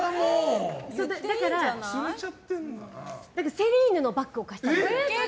セリーヌのバッグを貸したんです。